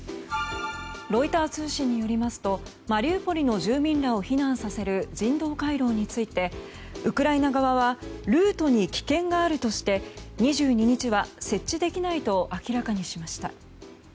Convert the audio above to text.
ロイター通信によりますとマリウポリの住民らを避難させる人道回廊についてウクライナ側はルートに危険があるとして２２日は設置できないと明らかにしました。